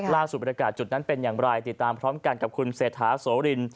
ล่าสุดบรรยากาศจุดนั้นเป็นอย่างไรติดตามพร้อมกันกับคุณเศรษฐาโสริน